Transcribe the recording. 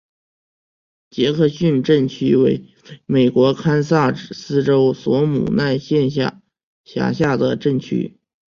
杰克逊镇区为美国堪萨斯州索姆奈县辖下的镇区。